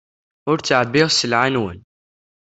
Ur ttɛebbiɣ sselɛa-nwen.